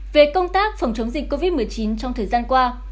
về công tác phòng chống dịch covid một mươi chín trong thời gian qua